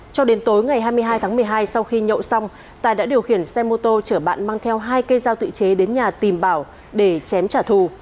cho đến tối ngày hai mươi hai tháng một mươi hai sau khi nhậu xong tài đã điều khiển xe mô tô chở bạn mang theo hai cây dao tự chế đến nhà tìm bảo để chém trả thù